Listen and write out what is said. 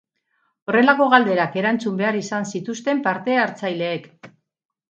Horrelako galderak erantzun behar izan zituzten parte-hartzaileek.